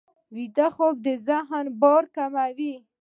ویده خوب د ذهن بار کموي